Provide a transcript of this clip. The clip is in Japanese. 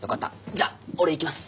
じゃ俺行きます。